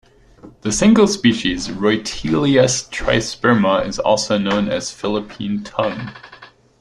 The single species, Reutealis trisperma is also known as Philippine tung.